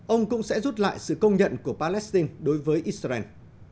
ông cũng sẽ rút lại sự công nhận của palestine đối với israel